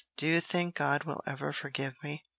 Do you think God will ever forgive me?"